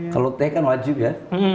kalau teh kan wajib ya